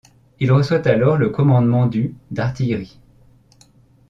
Il reçoit alors le commandement du d'artillerie.